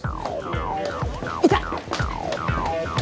いた！